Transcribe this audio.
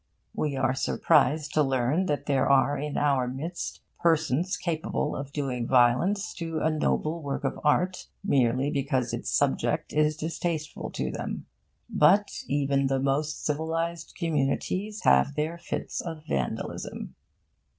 We are surprised to learn that there are in our midst persons capable of doing violence to a noble work of art merely because its subject is distasteful to them. But even the most civilised communities have their fits of vandalism.